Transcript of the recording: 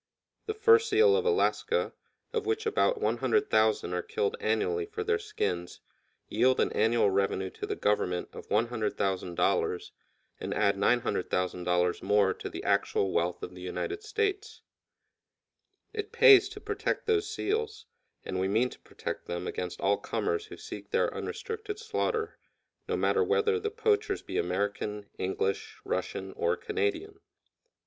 The fur seal of Alaska, of which about 100,000 are killed annually for their skins, yield an annual revenue to the Government of $100,000 and add $900,000 more to the actual wealth of the United States. It pays to protect those seals, and we mean to protect them against all comers who seek their unrestricted slaughter, no matter whether the poachers be American, English, Russian, or Canadian.